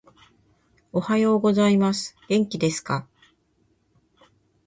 おはようございます。元気ですか？